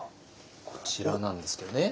こちらなんですけどね。